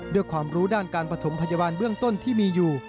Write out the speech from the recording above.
ด้วยความรู้ด้านการปฐมพยาบาลเบื้องต้นที่มีอยู่